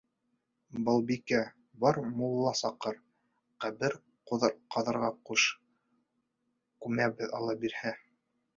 Балбикә, бар, мулла саҡыр, ҡәбер ҡаҙырға ҡуш, күмәбеҙ, Алла бирһә.